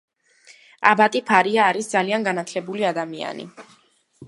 აბატი ფარია არის ძალიან განათლებული ადამიანი.